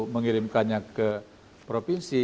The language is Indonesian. mengirimkannya ke provinsi